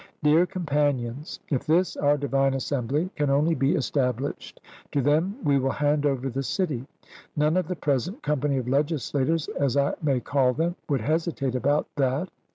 Dear companions, if this our divine assembly can only be established, to them we will hand over the city; none of the present company of legislators, as I may call them, would hesitate about that.